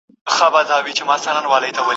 او زما د غرونو غم لړلې کيسه نه ختمېده